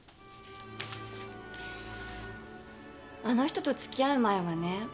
あの人とつきあう前はね